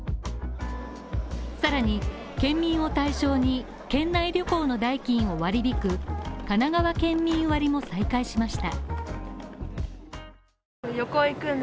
さらに、県民を対象に県内旅行の代金を割り引くかながわ県民割も再開しました。